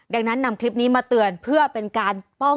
ดังนั้นนำคลิปนี้มาเตือนเพื่อเป็นการป้องกันไม่ให้เกิดขึ้น